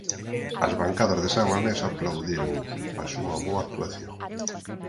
As bancadas de San Mamés aplaudiron a súa boa actuación.